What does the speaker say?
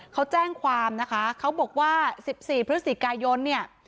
เขาแจ้งความนะคะเขาบอกว่า๑๔พฤศจิกายนเนี่ย